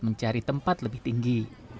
mencari tempat lebih tinggi